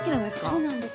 ◆そうなんです。